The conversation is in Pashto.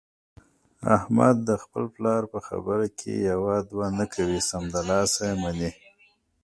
احمد د خپل پلار په خبره کې یوه دوه نه کوي، سمدلاسه یې مني.